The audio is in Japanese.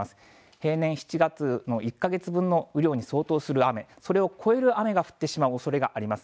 平年７月の１か月分の雨量に相当する雨、それを超える雨が降ってしまうおそれがあります。